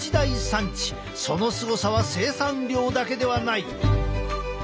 そのすごさは生産量だけではない！